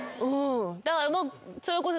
だからそれこそ。